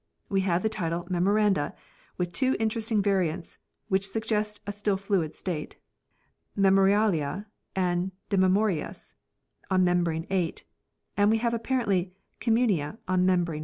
We have the title " Memoranda " with two interesting variants which suggest a still fluid state "Memorialia" and " de Memoriis" on membrane 8: and we have apparently " Communia " on membrane i.